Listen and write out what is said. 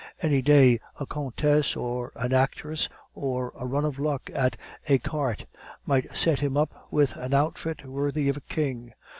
Any day a countess or an actress or a run of luck at ecarte might set him up with an outfit worthy of a king.